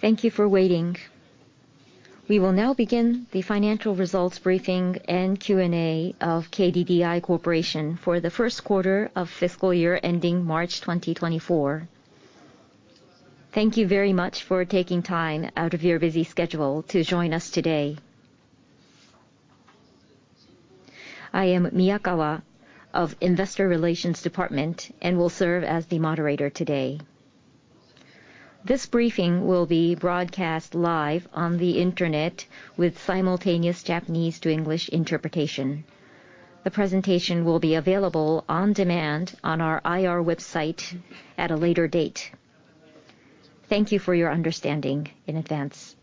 Thank you for waiting. We will now begin the finan cial results briefing and Q&A of KDDI Corporation for the first quarter of fiscal year ending March 2024. Thank you very much for taking time out of your busy schedule to join us today. I am Miyakawa of Investor Relations Department, and will serve as the moderator today. This briefing will be broadcast live on the internet with simultaneous Japanese to English interpretation. The presentation will be available on demand on our IR website at a later date. Thank you for your understanding in advance.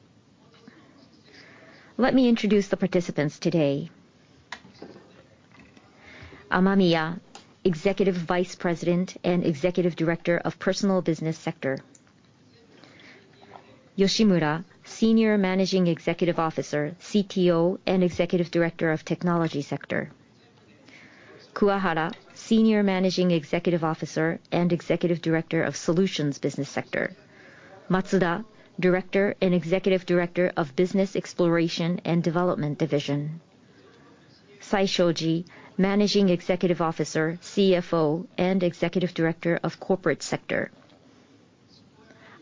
Let me introduce the participants today. Amamiya, Executive Vice President and Executive Director of Personal Business Sector. Yoshimura, Senior Managing Executive Officer, CTO, and Executive Director of Technology Sector. Kuwahara, Senior Managing Executive Officer and Executive Director of Solutions Business Sector. Matsuda, Director and Executive Director of Business Exploration and Development Division. Saishoji, Managing Executive Officer, CFO, and Executive Director of Corporate Sector.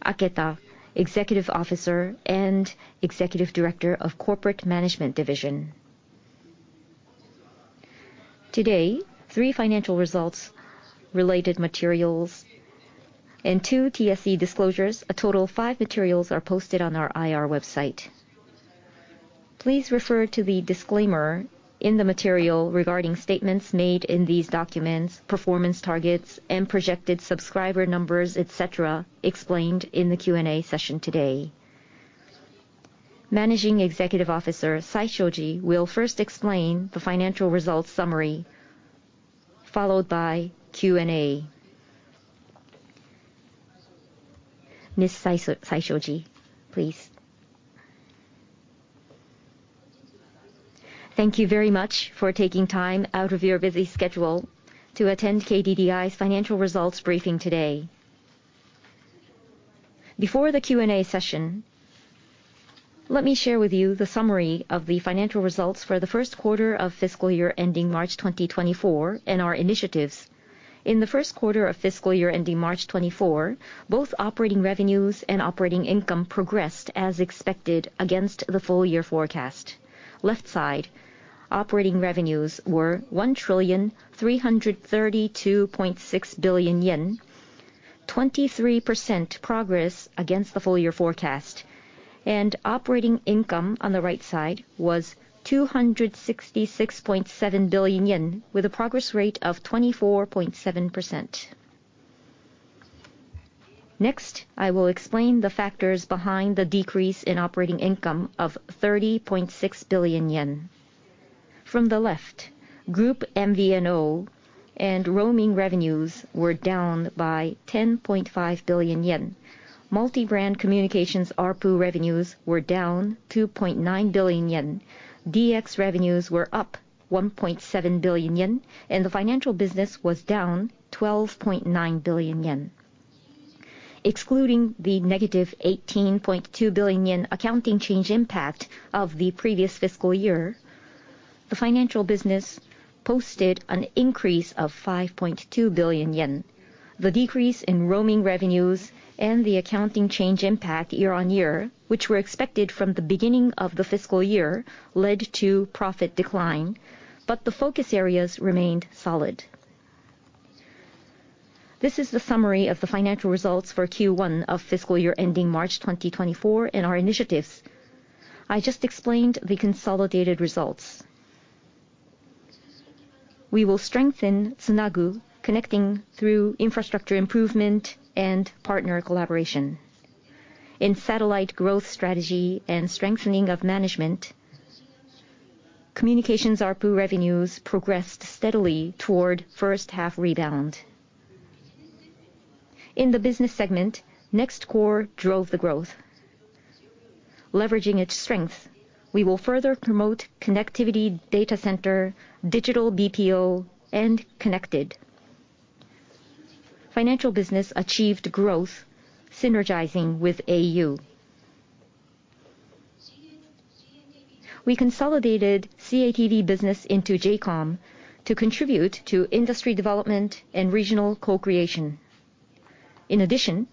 Aketa, Executive Officer and Executive Director of Corporate Management Division. Today, three financial results related materials and two TSE disclosures, a total of five materials, are posted on our IR website. Please refer to the disclaimer in the material regarding statements made in these documents, performance targets, and projected subscriber numbers, et cetera, explained in the Q&A session today. Managing Executive Officer, Saishoji, will first explain the financial results summary, followed by Q&A. Ms. Saishoji, please. Thank you very much for taking time out of your busy schedule to attend KDDI's financial results briefing today. Before the Q&A session, let me share with you the summary of the financial results for the first quarter of fiscal year ending March 2024, and our initiatives. In the first quarter of fiscal year ending March 2024, both operating revenues and operating income progressed as expected against the full year forecast. Left side, operating revenues were 1,332.6 billion yen, 23% progress against the full year forecast. Operating income, on the right side, was 266.7 billion yen, with a progress rate of 24.7%. Next, I will explain the factors behind the decrease in operating income of 30.6 billion yen. From the left, group MVNO and roaming revenues were down by 10.5 billion yen. Multi-brand communications ARPU revenues were down 2.9 billion yen. DX revenues were up 1.7 billion yen, and the Financial business was down 12.9 billion yen. Excluding the -18.2 billion yen accounting change impact of the previous fiscal year, the financial business posted an increase of 5.2 billion yen. The decrease in roaming revenues and the accounting change impact year-on-year, which were expected from the beginning of the fiscal year, led to profit decline, but the focus areas remained solid. This is the summary of the financial results for Q1 of fiscal year ending March 2024, and our initiatives. I just explained the consolidated results. We will strengthen Tsunagu, connecting through infrastructure improvement and partner collaboration. In satellite growth strategy and strengthening of management, communications ARPU revenues progressed steadily toward first half rebound. In the business segment, NEXT Core drove the growth. Leveraging its strengths, we will further promote connectivity data center, digital BPO, and connected. Financial business achieved growth, synergizing with au. We consolidated CATV business into J:COM to contribute to industry development and regional co-creation. In addition,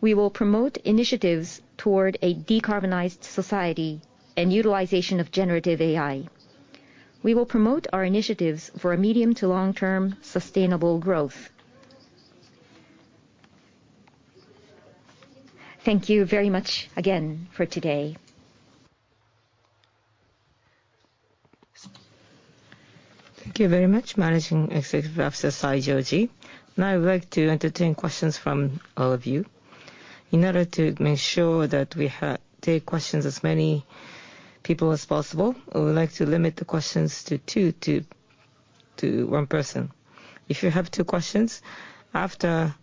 we will promote initiatives toward a decarbonized society and utilization of generative AI. We will promote our initiatives for a medium to long-term sustainable growth. Thank you very much again for today. Thank you very much, Managing Executive Officer Saishoji. Now I would like to entertain questions from all of you. In order to make sure that we take questions as many people as possible, I would like to limit the questions to two to one person. If you have two questions, after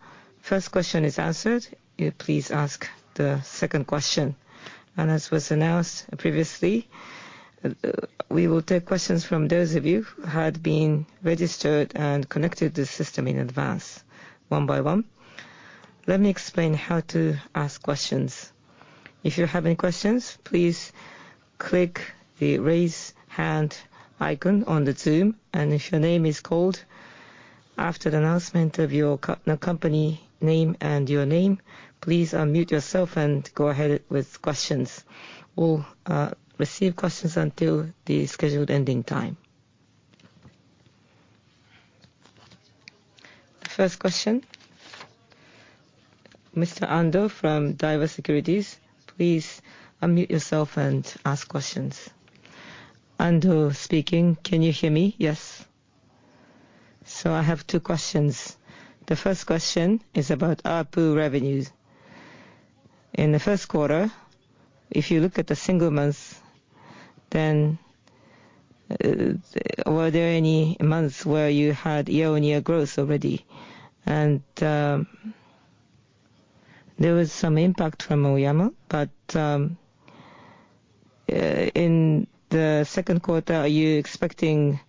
first question is answered, you please ask the second question. As was announced previously, we will take questions from those of you who had been registered and connected to the system in advance, one by one. Let me explain how to ask questions. If you have any questions, please click the Raise Hand icon on the Zoom, and if your name is called after the announcement of your company name and your name, please unmute yourself and go ahead with questions. We'll receive questions until the scheduled ending time. First question, Mr. Ando from Daiwa Securities, please unmute yourself and ask questions. Ando speaking. Can you hear me? Yes. I have two questions. The first question is about ARPU revenues. In the first quarter, if you look at the single months, were there any months where you had year-on-year growth already? There was some impact from Aoyama, but in the second quarter, are you expecting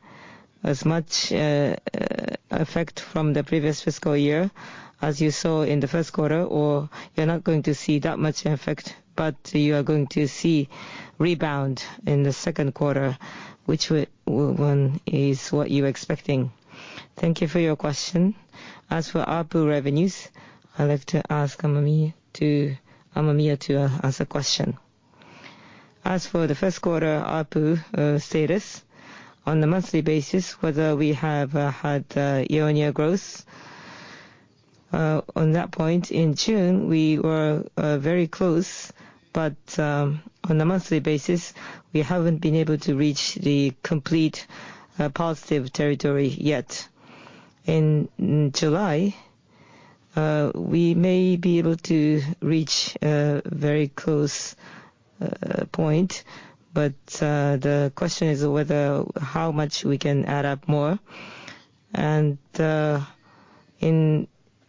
as much effect from the previous fiscal year as you saw in the first quarter? You're not going to see that much effect, but you are going to see rebound in the second quarter, which one is what you're expecting? Thank you for your question. As for ARPU revenues, I'd like to ask Amamiya to ask the question. As for the first quarter ARPU status, on a monthly basis, whether we have had year-on-year growth, on that point in June, we were very close, but on a monthly basis, we haven't been able to reach the complete positive territory yet. In July, we may be able to reach a very close point, but the question is whether how much we can add up more.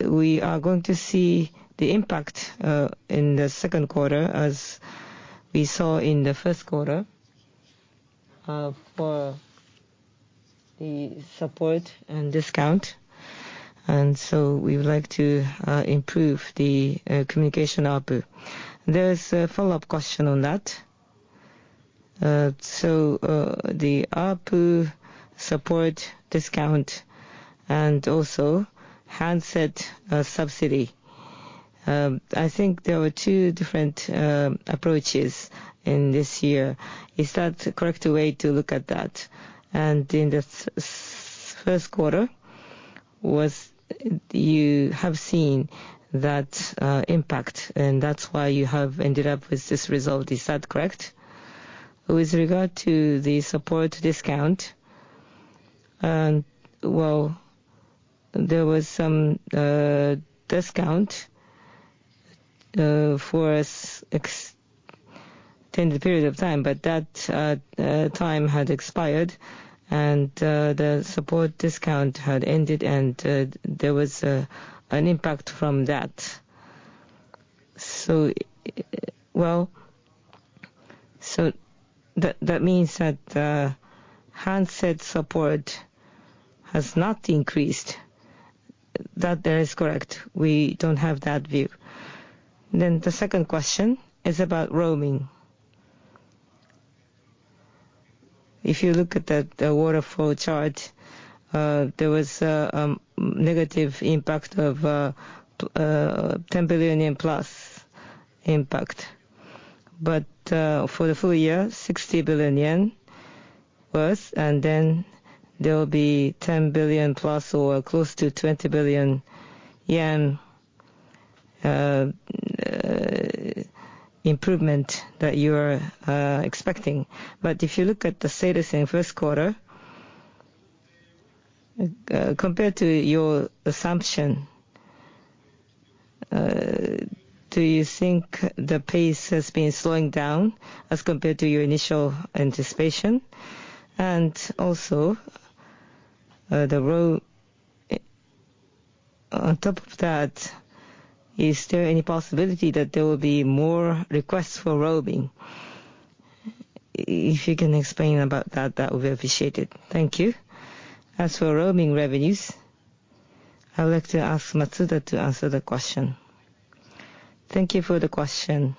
We are going to see the impact in the second quarter, as we saw in the first quarter, for the support and discount, and so we would like to improve the communication ARPU. There's a follow-up question on that. The ARPU support discount and also handset subsidy, I think there were two different approaches in this year. Is that the correct way to look at that? In the first quarter, You have seen that, impact, and that's why you have ended up with this result. Is that correct? With regard to the support discount, and, well, there was some, discount, for us in the period of time, but that, time had expired, and, the support discount had ended, and, there was, an impact from that. Well, so that, that means that, handset support has not increased. That there is correct. We don't have that view. The second question is about roaming. If you look at the, the waterfall chart, there was, negative impact of, 10 billion yen+ impact. For the full year, 60 billion yen worse, and then there will be 10 billion+ or close to 20 billion yen improvement that you are expecting. If you look at the status in first quarter, compared to your assumption, do you think the pace has been slowing down as compared to your initial anticipation? Also, on top of that, is there any possibility that there will be more requests for roaming? If you can explain about that, that would be appreciated. Thank you. As for roaming revenues, I would like to ask Matsuda to answer the question. Thank you for the question.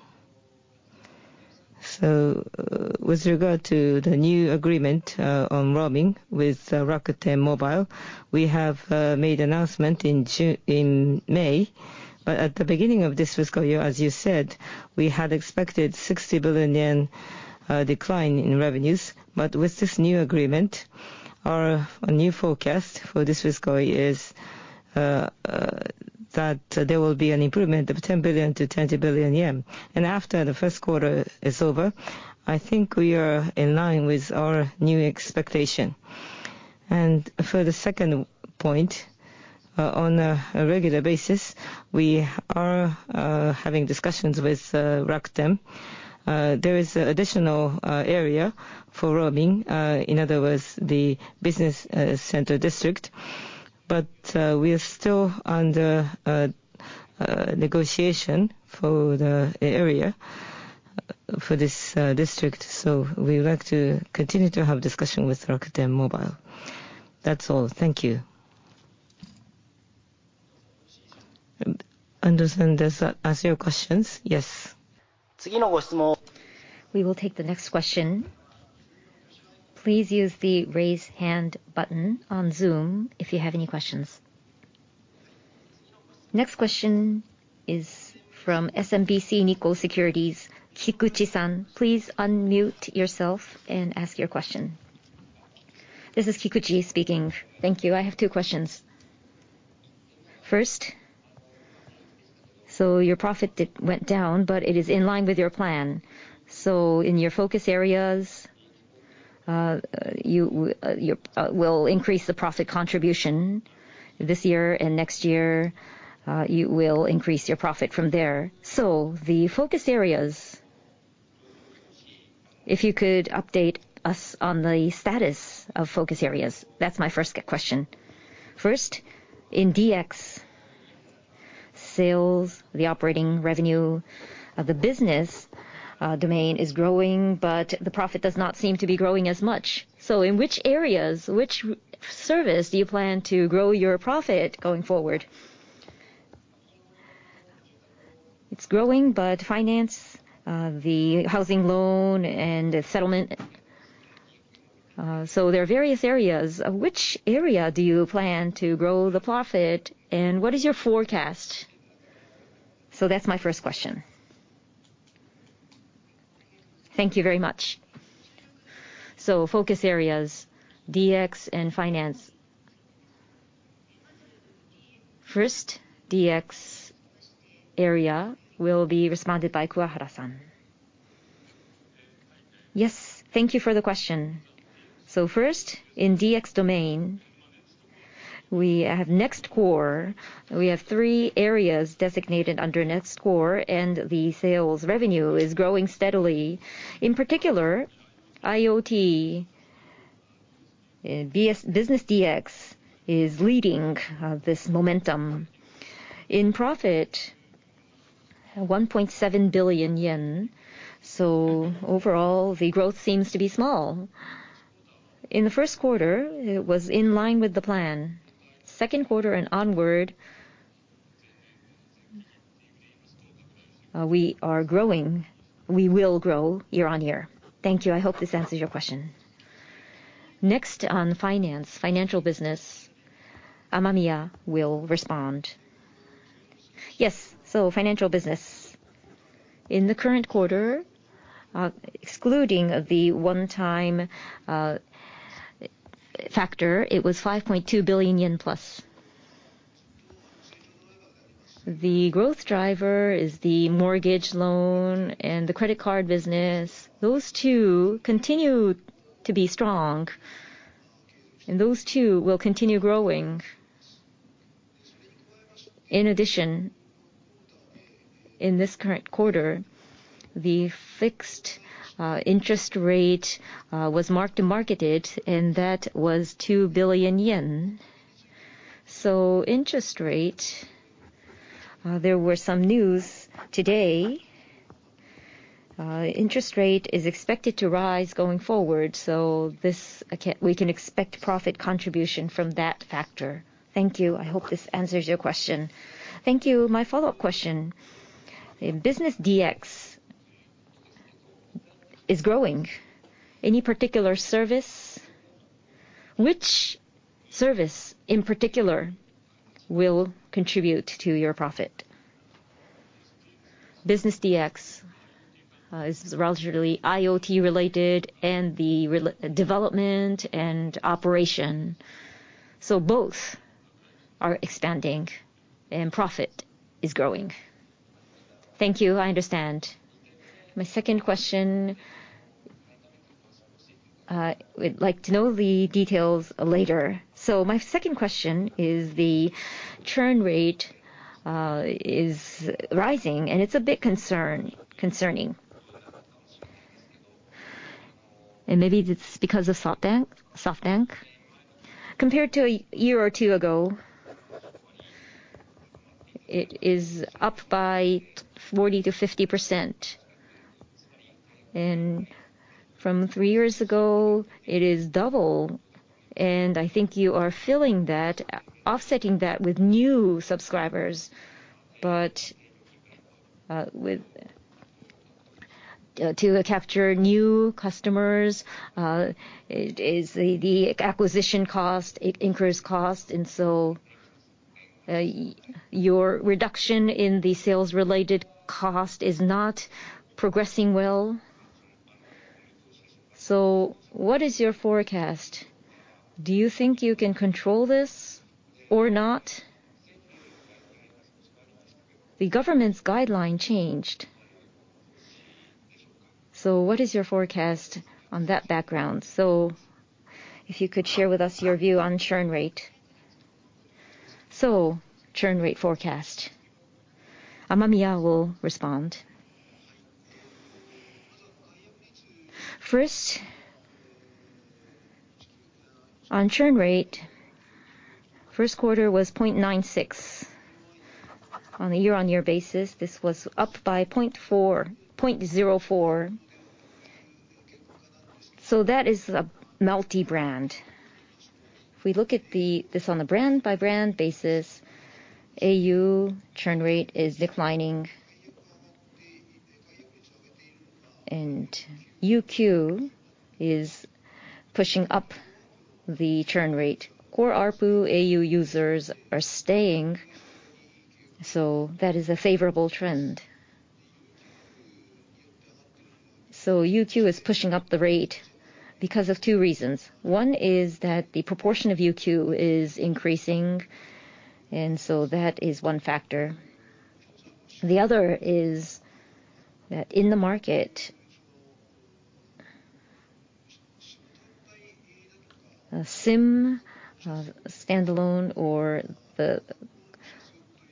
With regard to the new agreement on roaming with Rakuten Mobile, we have made announcement in May. At the beginning of this fiscal year, as you said, we had expected 60 billion yen decline in revenues. With this new agreement, our new forecast for this fiscal year is that there will be an improvement of 10 billion-20 billion yen. After the first quarter is over, I think we are in line with our new expectation. For the second point, on a regular basis, we are having discussions with Rakuten. There is additional area for roaming, in other words, the business center district. We are still under negotiation for the area for this district, so we would like to continue to have discussion with Rakuten Mobile. That's all. Thank you. Understand, does that answer your questions? Yes. We will take the next question. Please use the Raise Hand button on Zoom if you have any questions. Next question is from SMBC Nikko Securities, Kikuchi-san. Please unmute yourself and ask your question. This is Kikuchi speaking. Thank you. I have two questions. First, your profit did went down, but it is in line with your plan. In your focus areas, you will increase the profit contribution this year and next year, you will increase your profit from there. The focus areas, if you could update us on the status of focus areas. That's my first question. First, in DX sales, the operating revenue of the business domain is growing, but the profit does not seem to be growing as much. In which areas, which service do you plan to grow your profit going forward? It's growing, but finance, the housing loan and settlement, there are various areas. Which area do you plan to grow the profit, and what is your forecast? That's my first question. Thank you very much. Focus areas, DX and finance. First, DX area will be responded by Kuwahara-san. Yes, thank you for the question. First, in DX domain, we have NEXT Core. We have 3 areas designated under NEXT Core, and the sales revenue is growing steadily. In particular, IoT, BS, Business DX is leading this momentum. In profit, 1.7 billion yen, so overall, the growth seems to be small. In the first quarter, it was in line with the plan. Second quarter and onward, we are growing. We will grow year-on-year. Thank you. I hope this answers your question. Next on finance, financial business, Amamiya will respond. Yes, financial business. In the current quarter, excluding the one-time factor, it was JPY 5.2 billion+. The growth driver is the mortgage loan and the credit card business. Those two continue to be strong, and those two will continue growing. In addition, in this current quarter, the fixed interest rate was mark-to-marketed, and that was 2 billion yen. Interest rate, there were some news today. Interest rate is expected to rise going forward, so we can expect profit contribution from that factor. Thank you. I hope this answers your question. Thank you. My follow-up question: Business DX is growing. Any particular service? Which service, in particular, will contribute to your profit? Business DX is relatively IoT related and the development and operation, so both are expanding and profit is growing. Thank you. I understand. My second question, we'd like to know the details later. My second question is the churn rate is rising, and it's a big concern, concerning. Maybe it's because of SoftBank, SoftBank. Compared to a year or two ago, it is up by 40%-50%, and from three years ago, it is double, and I think you are filling that, offsetting that with new subscribers. With to capture new customers, it is the, the acquisition cost, it increase cost, and so your reduction in the sales-related cost is not progressing well. What is your forecast? Do you think you can control this or not? The government's guideline changed, what is your forecast on that background? If you could share with us your view on churn rate. Churn rate forecast. Amamiya will respond. First, on churn rate, first quarter was 0.96. On a year-on-year basis, this was up by 0.4, 0.04. That is a multi-brand. If we look at this on the brand by brand basis, au churn rate is declining, and UQ is pushing up the churn rate. Core ARPU au users are staying, so that is a favorable trend. UQ is pushing up the rate because of two reasons. One is that the proportion of UQ is increasing, and so that is one factor. The other is that in the market, SIM standalone or the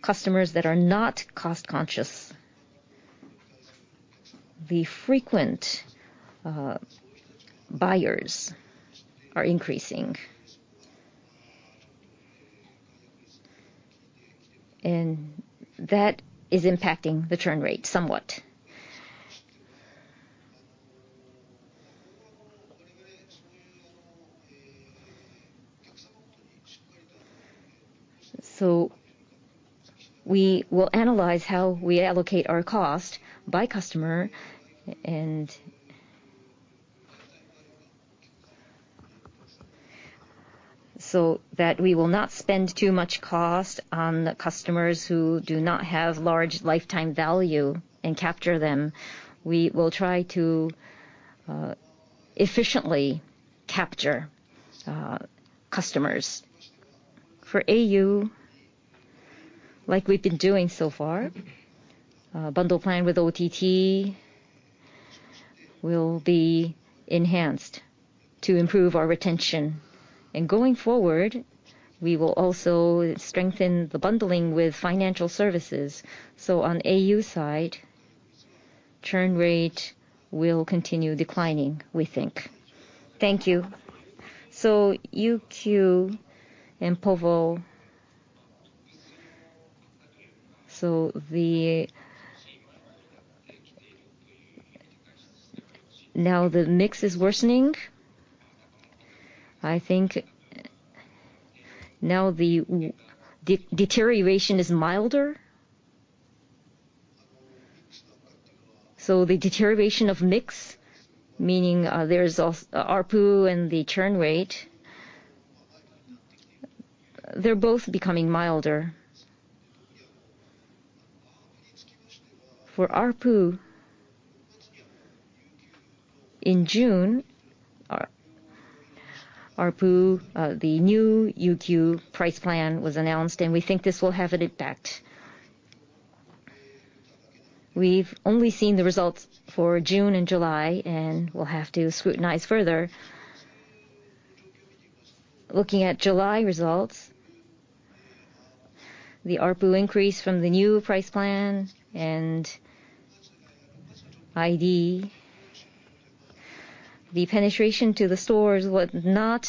customers that are not cost conscious, the frequent buyers are increasing. That is impacting the churn rate somewhat. We will analyze how we allocate our cost by customer, and so that we will not spend too much cost on the customers who do not have large lifetime value and capture them. We will try to efficiently capture customers. For au, like we've been doing so far, bundle plan with OTT will be enhanced to improve our retention. Going forward, we will also strengthen the bundling with financial services. On au side, churn rate will continue declining, we think. Thank you. UQ and povo, Now the mix is worsening. I think now the deterioration is milder. The deterioration of mix, meaning, there's ARPU and the churn rate, they're both becoming milder. For ARPU, in June, our ARPU, the new UQ price plan was announced, and we think this will have an impact. We've only seen the results for June and July. We'll have to scrutinize further. Looking at July results, the ARPU increase from the new price plan and ID, the penetration to the stores was not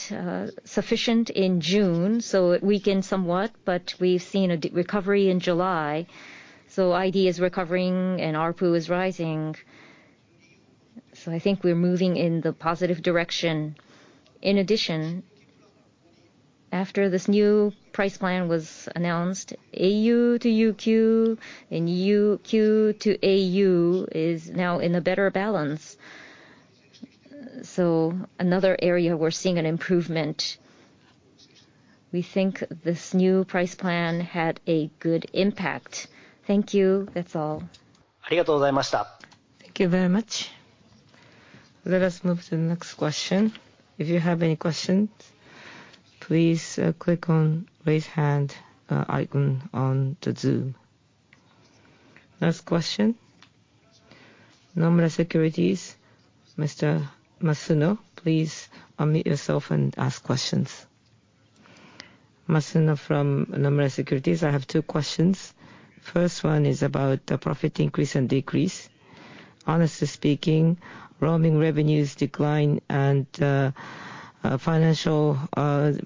sufficient in June, so it weakened somewhat, but we've seen a de- recovery in July. ID is recovering, and ARPU is rising. I think we're moving in the positive direction. In addition, after this new price plan was announced, au to UQ and UQ to au is now in a better balance. Another area we're seeing an improvement. We think this new price plan had a good impact. Thank you. That's all. Thank you very much. Let us move to the next question. If you have any questions, please click on Raise Hand icon on the Zoom. Next question, Nomura Securities, Mr. Masuno, please unmute yourself and ask questions. Masuno from Nomura Securities. I have two questions. First one is about the profit increase and decrease. Honestly speaking, roaming revenues decline and financial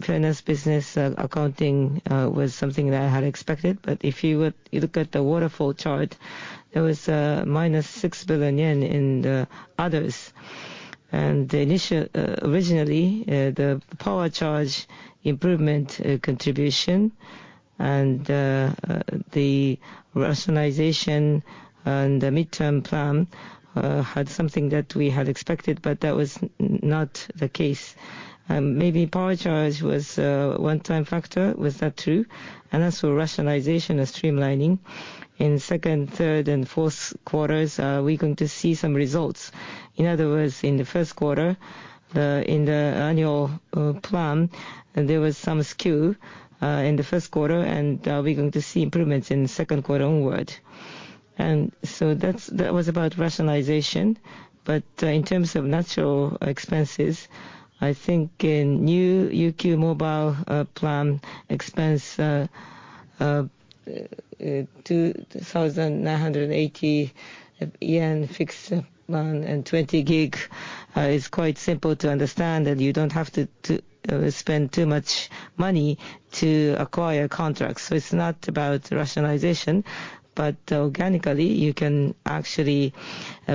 finance business accounting was something that I had expected. If you would look at the waterfall chart, there was minus 6 billion yen in the others. Originally, the power charge improvement contribution and the rationalization and the midterm plan had something that we had expected, but that was not the case. Maybe power charge was a one-time factor, was that true? As for rationalization and streamlining, in second, third, and fourth quarters, are we going to see some results? In other words, in the first quarter, the, in the annual plan, there was some skew in the first quarter, and we're going to see improvements in the second quarter onward. That's, that was about rationalization. In terms of natural expenses, I think in new UQ mobile plan expense, JPY 2,980 fixed plan and 20 gig is quite simple to understand, and you don't have to, to spend too much money to acquire contracts. It's not about rationalization, but organically, you can actually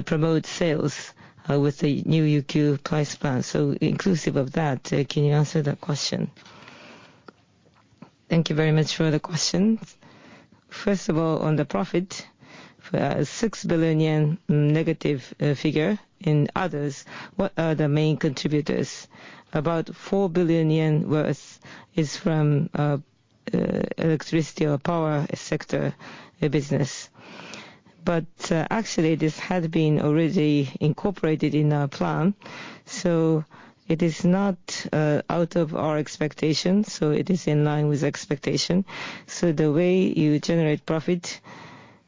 promote sales with the new UQ price plan. Inclusive of that, can you answer that question? Thank you very much for the question. On the profit, for 6 billion yen negative figure. In others, what are the main contributors? About 4 billion yen worth is from electricity or power sector business. Actually, this had been already incorporated in our plan, so it is not out of our expectations, so it is in line with expectation. The way you generate profit,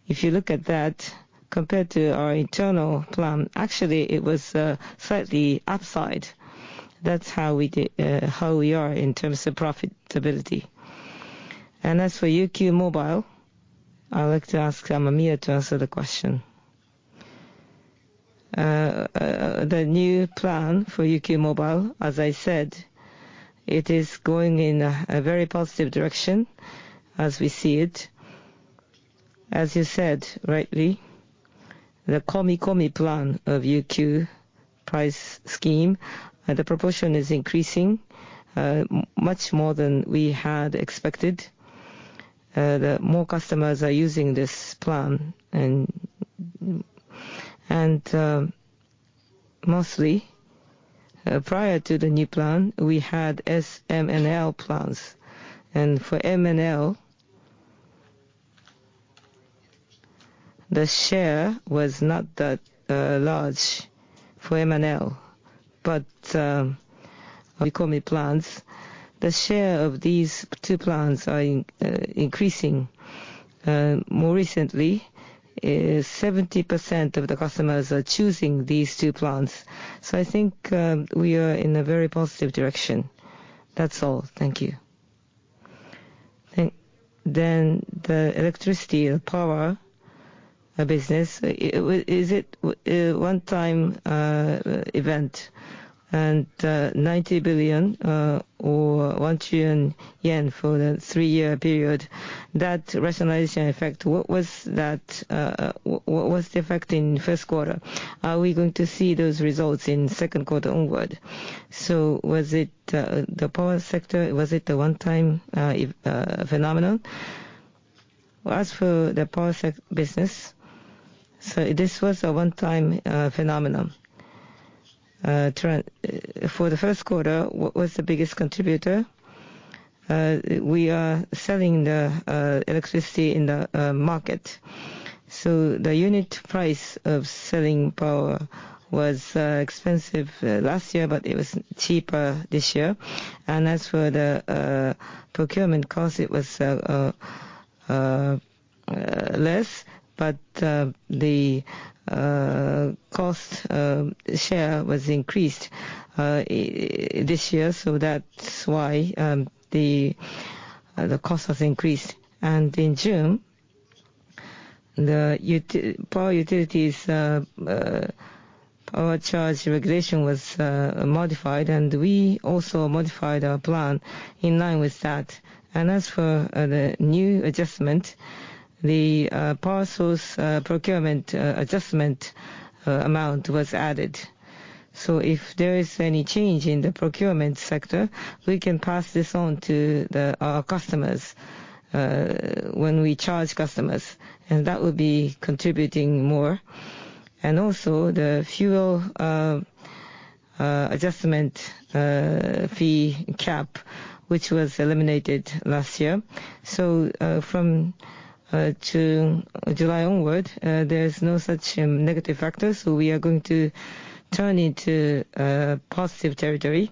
if you look at that, compared to our internal plan, actually it was slightly upside. That's how we how we are in terms of profitability. As for UQ mobile, I would like to ask Amamiya to answer the question. The new plan for UQ mobile, as I said, it is going in a very positive direction as we see it. As you said, rightly, the Komi-Komi Plan of UQ price scheme, the proportion is increasing much more than we had expected. The more customers are using this plan, and, mostly, prior to the new plan, we had S, M, and L plans. For M and L, the share was not that large for M and L. Komi-Komi Plans, the share of these two plans are increasing. More recently, 70% of the customers are choosing these two plans. I think we are in a very positive direction. That's all. Thank you. The electricity or power business, is it a one time event? 90 billion or 1 trillion yen for the 3-year period, that rationalization effect, what was that, what was the effect in first quarter? Are we going to see those results in second quarter onward? Was it the power sector, was it a one-time phenomenon? Well, as for the power sec business, this was a one-time phenomenon. For the first quarter, what was the biggest contributor? We are selling the electricity in the market. The unit price of selling power was expensive last year, but it was cheaper this year. As for the procurement cost, it was less, but the cost share was increased this year, the cost has increased. In June, the power utilities power charge regulation was modified. We also modified our plan in line with that. As for the new adjustment, the power source procurement adjustment amount was added. If there is any change in the procurement sector, we can pass this on to our customers when we charge customers, and that will be contributing more. Also, the fuel adjustment fee cap, which was eliminated last year. From July onward, there's no such negative factors, so we are going to turn into positive territory.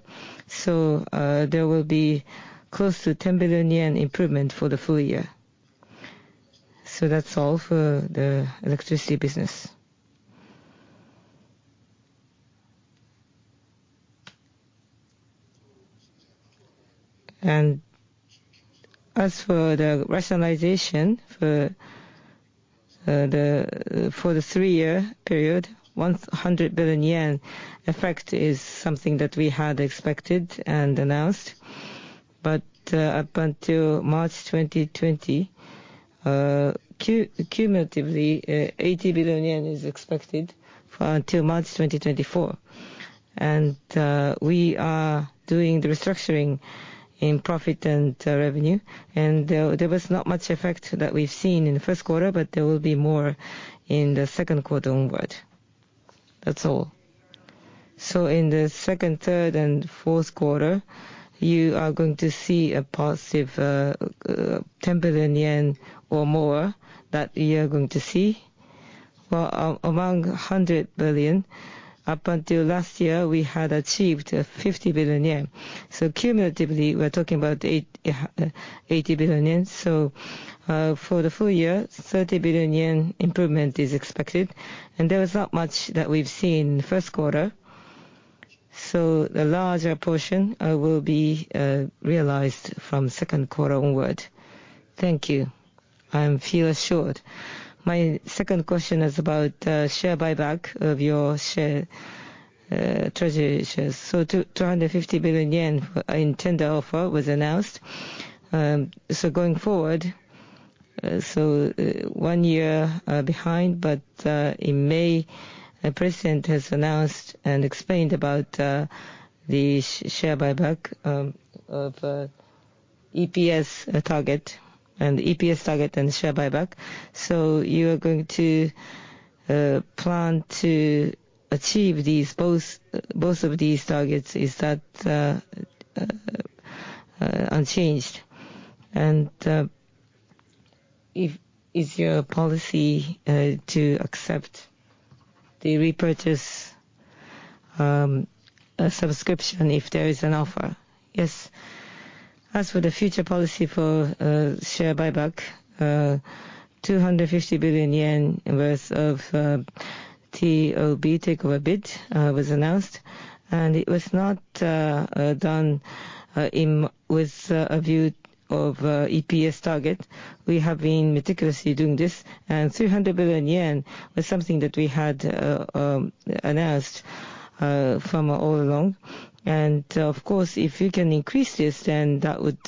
There will be close to 10 billion yen improvement for the full year. That's all for the electricity business. As for the rationalization for the 3-year period, 100 billion yen effect is something that we had expected and announced. Up until March 2020, cumulatively, 80 billion yen is expected till March 2024. We are doing the restructuring in profit and revenue, and there was not much effect that we've seen in the first quarter, but there will be more in the second quarter onward. That's all. In the second, third, and fourth quarter, you are going to see a positive 10 billion yen or more that you are going to see. Well, among 100 billion, up until last year, we had achieved 50 billion yen. Cumulatively, we're talking about 80 billion yen. For the full year, 30 billion yen improvement is expected, and there was not much that we've seen in the first quarter. The larger portion will be realized from second quarter onward. Thank you. I'm feel assured. My second question is about share buyback of your share, treasury shares. 250 billion yen in tender offer was announced. Going forward, one year behind, but in May, the president has announced and explained about the share buyback of EPS target, and EPS target and share buyback. You are going to plan to achieve both of these targets, is that unchanged? Is your policy to accept the repurchase a subscription if there is an offer? As for the future policy for share buyback, 250 billion yen worth of TOB, takeover bid, was announced, and it was not done in with a view of EPS target. We have been meticulously doing this, and 300 billion yen is something that we had announced from all along. Of course, if we can increase this, then that would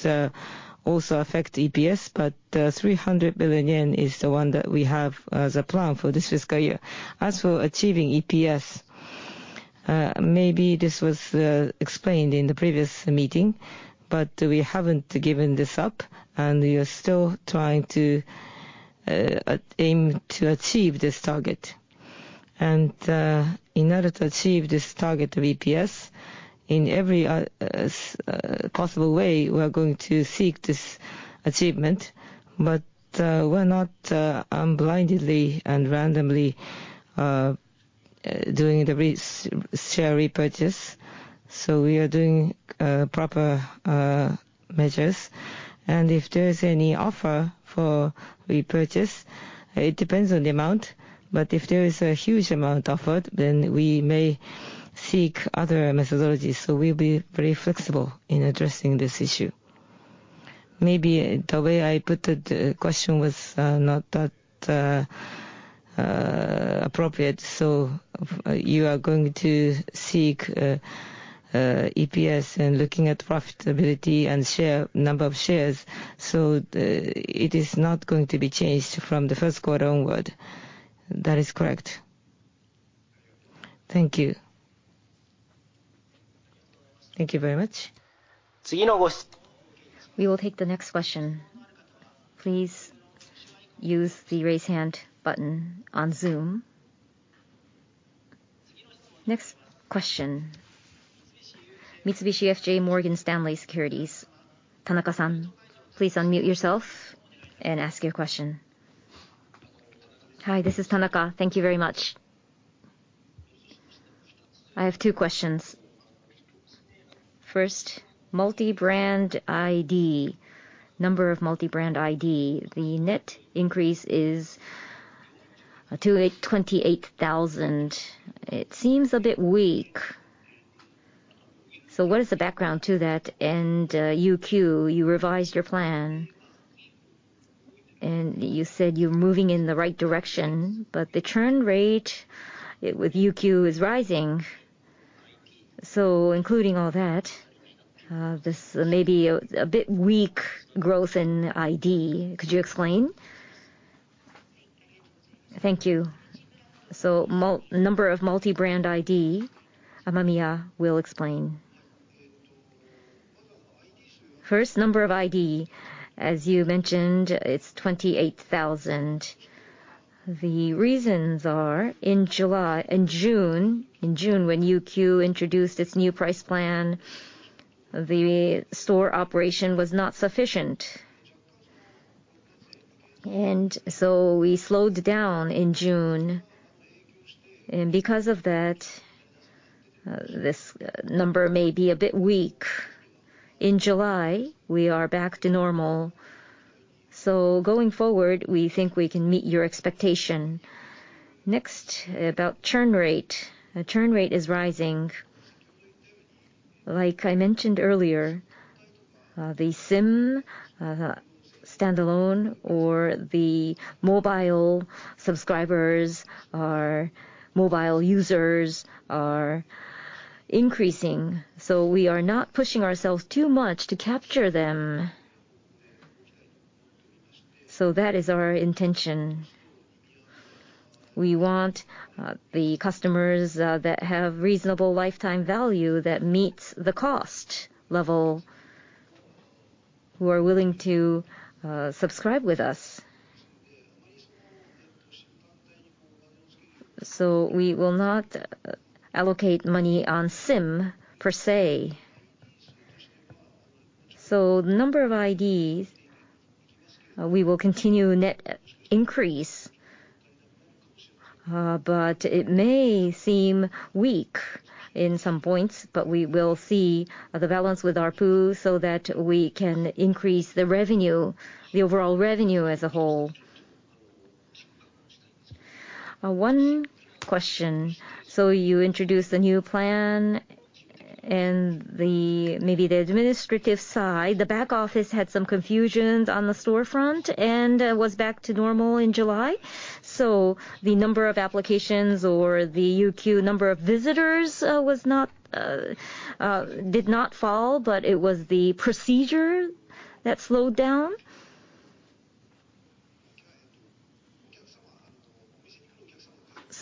also affect EPS, but 300 billion yen is the one that we have as a plan for this fiscal year. As for achieving EPS, maybe this was explained in the previous meeting, but we haven't given this up, and we are still trying to aim to achieve this target. In order to achieve this target of EPS, in every possible way, we are going to seek this achievement, but we're not blindly and randomly doing the share repurchase. We are doing proper measures, and if there is any offer for repurchase, it depends on the amount, but if there is a huge amount offered, then we may seek other methodologies. We'll be very flexible in addressing this issue. Maybe the way I put it, the question was not that appropriate. You are going to seek EPS and looking at profitability and share, number of shares, it is not going to be changed from the first quarter onward. That is correct. Thank you. Thank you very much. We will take the next question. Please use the Raise Hand button on Zoom. Next question, Mitsubishi UFJ Morgan Stanley Securities, Tanaka-san, please unmute yourself and ask your question. Hi, this is Tanaka. Thank you very much. I have two questions. First, multi-brand ID, number of multi-brand ID, the net increase is 28,000. It seems a bit weak. What is the background to that? UQ, you revised your plan, and you said you're moving in the right direction, but the churn rate with UQ is rising. Including all that, this may be a bit weak growth in ID. Could you explain? Thank you. number of multi-brand ID, Amamiya will explain. Number of ID, as you mentioned, it's 28,000. The reasons are in July, in June, in June, when UQ introduced its new price plan, the store operation was not sufficient. We slowed down in June, and because of that, this number may be a bit weak. In July, we are back to normal, going forward, we think we can meet your expectation. About churn rate. The churn rate is rising. Like I mentioned earlier, the SIM standalone or the mobile subscribers or mobile users are increasing, we are not pushing ourselves too much to capture them. That is our intention. We want the customers that have reasonable lifetime value that meets the cost level, who are willing to subscribe with us. We will not allocate money on SIM per se. The number of IDs, we will continue net increase, but it may seem weak in some points, but we will see the balance with ARPU so that we can increase the revenue, the overall revenue as a whole. One question. You introduced the new plan, and the, maybe the administrative side, the back office had some confusions on the storefront, and was back to normal in July? The number of applications or the UQ number of visitors, was not, did not fall, but it was the procedure that slowed down?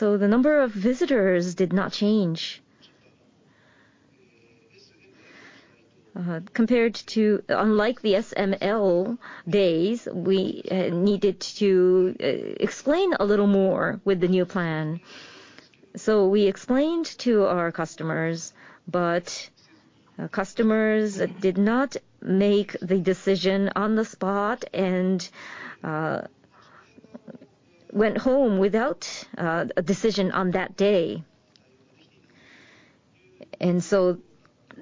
The number of visitors did not change. Compared to, unlike the SML days, we needed to explain a little more with the new plan. We explained to our customers, but customers did not make the decision on the spot and went home without a decision on that day.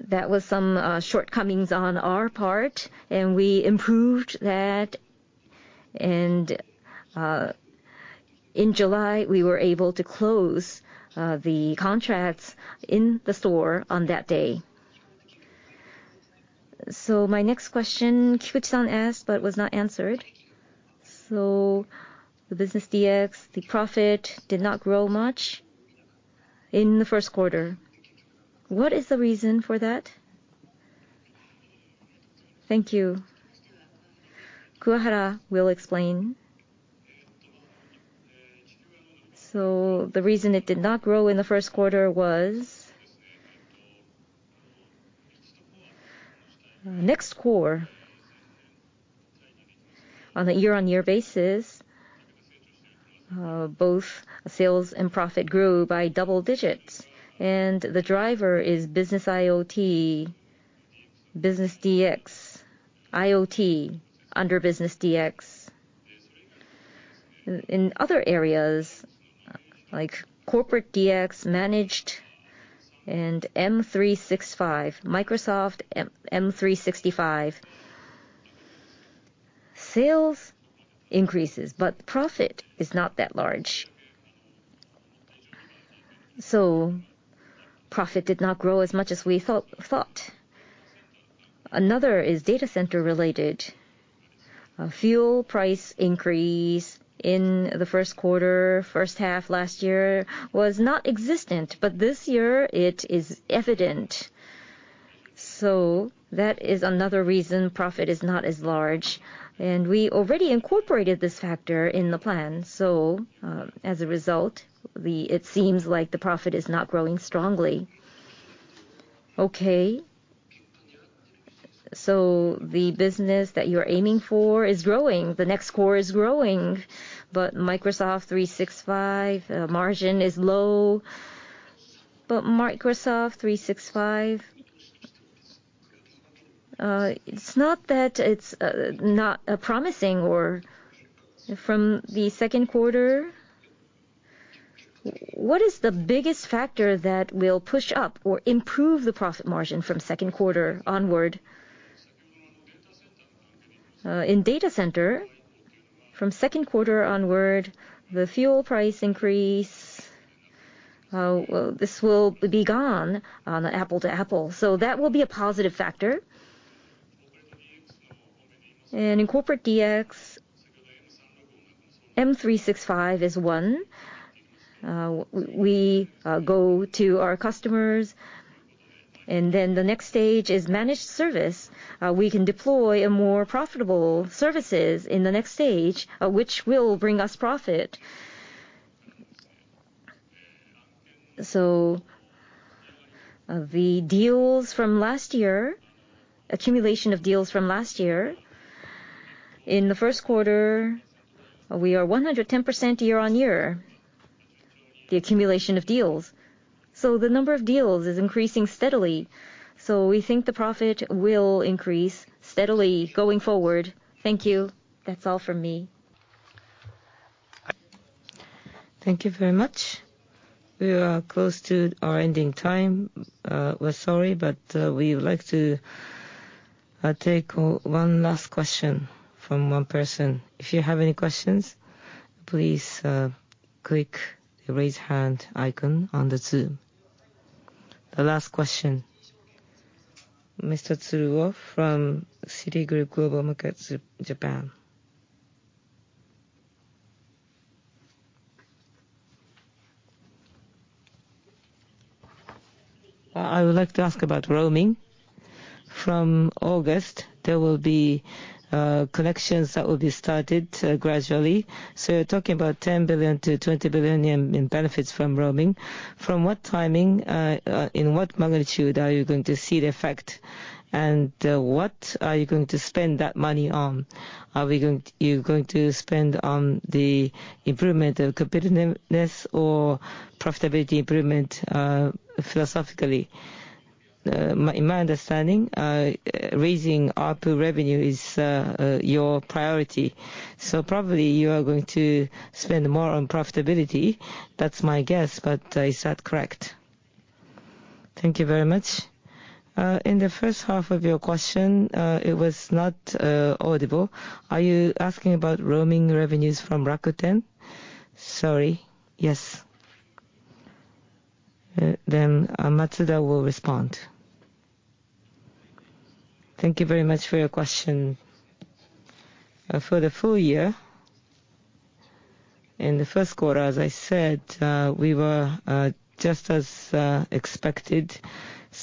That was some shortcomings on our part, and we improved that, and in July, we were able to close the contracts in the store on that day. My next question, Kikuchi-san asked but was not answered. The Business DX, the profit did not grow much in the first quarter. What is the reason for that? Thank you. Kuwahara will explain. The reason it did not grow in the first quarter was, NEXT Core. On a year-on-year basis, both sales and profit grew by double digits, and the driver is Business IoT, Business DX, IoT under Business DX. In other areas, like Corporate DX, managed, and M365, Microsoft 365, sales increases, but profit is not that large. Profit did not grow as much as we thought. Another is data center related. A fuel price increase in the first quarter, first half last year was not existent, but this year it is evident. That is another reason profit is not as large, and we already incorporated this factor in the plan. As a result, it seems like the profit is not growing strongly. Okay. The business that you're aiming for is growing, NEXT Core is growing, but Microsoft 365, margin is low. Microsoft 365, it's not that it's not promising or from the second quarter, what is the biggest factor that will push up or improve the profit margin from second quarter onward? In data center, from second quarter onward, the fuel price increase, well, this will be gone on an apple to apple, so that will be a positive factor. In Corporate DX, M365 is one. We go to our customers, and then the next stage is managed service. We can deploy a more profitable services in the next stage, which will bring us profit. The deals from last year, accumulation of deals from last year, in the first quarter, we are 110% YoY, the accumulation of deals. The number of deals is increasing steadily, so we think the profit will increase steadily going forward. Thank you. That's all from me. Thank you very much. We are close to our ending time. We're sorry, but we would like to take one last question from one person. If you have any questions, please click the Raise Hand icon on the Zoom. The last question, Mr. Tsuruo from Citigroup Global Markets Japan. I would like to ask about roaming. From August, there will be connections that will be started gradually. You're talking about 10 billion-20 billion in benefits from roaming. From what timing, in what magnitude are you going to see the effect? What are you going to spend that money on? Are you going to spend on the improvement of competitiveness or profitability improvement, philosophically? My, in my understanding, raising ARPU revenue is your priority, so probably you are going to spend more on profitability. That's my guess, but is that correct? Thank you very much. In the first half of your question, it was not audible. Are you asking about roaming revenues from Rakuten? Sorry, yes. Matsuda will respond. Thank you very much for your question. For the full year, in the first quarter, as I said, we were just as expected.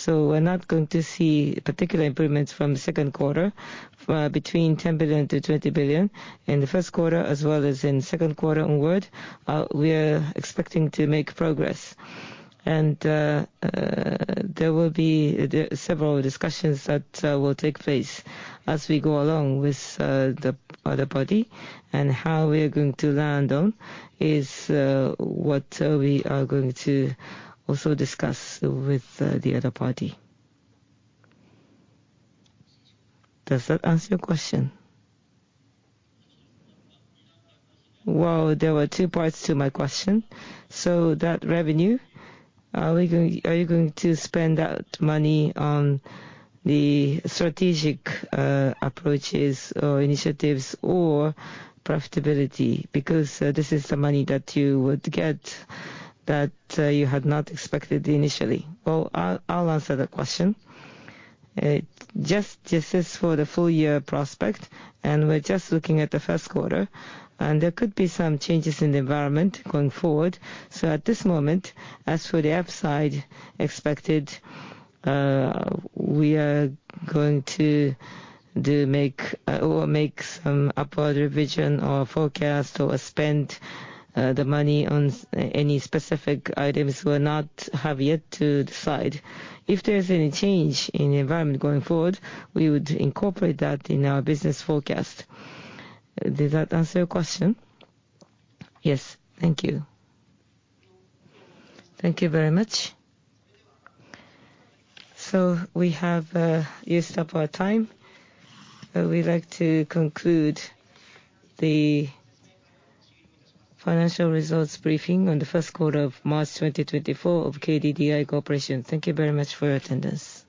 We're not going to see particular improvements from the second quarter, between 10 billion-20 billion. In the first quarter as well as in second quarter onward, we are expecting to make progress. There will be several discussions that will take place as we go along with the other party, and how we are going to land on is what we are going to also discuss with the other party. Does that answer your question? Well, there were two parts to my question. That revenue, are you going to spend that money on the strategic approaches or initiatives or profitability? This is the money that you would get that you had not expected initially. Well, I'll, I'll answer the question. Just, just as for the full year prospect, and we're just looking at the first quarter, and there could be some changes in the environment going forward. At this moment, as for the upside expected, we are going to do, make, or make some upward revision or forecast or spend the money on any specific items we'll not have yet to decide. If there's any change in the environment going forward, we would incorporate that in our business forecast. Does that answer your question? Yes. Thank you. Thank you very much. We have used up our time. We'd like to conclude the financial results briefing on the first quarter of March 2024 of KDDI Corporation. Thank you very much for your attendance.